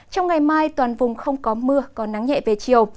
trong ngày mai toàn vùng không có mưa còn nắng nhẹ về chiều